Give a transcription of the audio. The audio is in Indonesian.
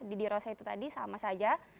di dirosah itu tadi sama saja